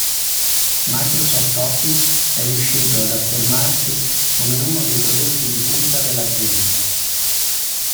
Microsoft Office è riuscito ad affermarsi come uno dei prodotti di punta dell'azienda.